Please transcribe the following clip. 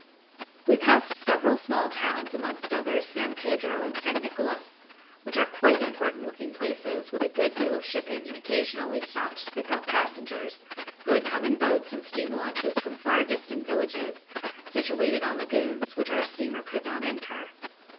We passed several small towns, amongst others, San Pedro and San Nicolas, which are quite important looking places, with a good deal of shipping, and occasionally stopped to pick up passengers, who had come in boats and steam launches from far distant villages, situated on lagunes, which our steamer could not enter.